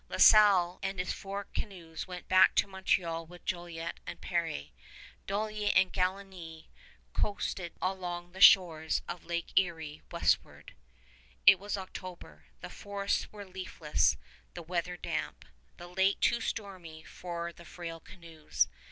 La Salle and his four canoes went back to Montreal with Jolliet and Peré; Dollier and Galinée coasted along the shores of Lake Erie westward. It was October. The forests were leafless, the weather damp, the lake too stormy for the frail canoes.